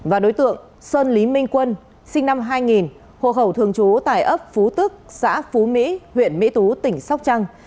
và đối tượng sơn lý minh quân sinh năm hai nghìn hồ khẩu thường trú tại ấp phú tức xã phú mỹ huyện mỹ tú tỉnh sóc trăng